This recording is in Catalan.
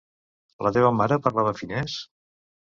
La teva mare parlava finès?